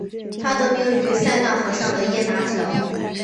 它得名于塞纳河上的耶拿桥。